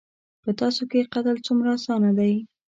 _په تاسو کې قتل څومره اسانه دی.